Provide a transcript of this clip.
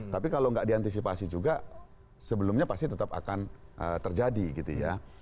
tapi kalau nggak diantisipasi juga sebelumnya pasti tetap akan terjadi gitu ya